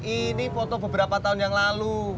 ini foto beberapa tahun yang lalu